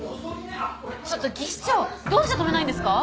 ちょっと技師長どうして止めないんですか？